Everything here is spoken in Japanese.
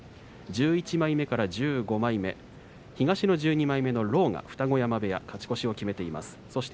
１１枚目から１５枚目東の１２枚目の狼雅、二子山部屋勝ち越しを決めています。